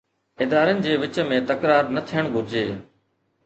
ادارن جي وچ ۾ تڪرار نه ٿيڻ گهرجي.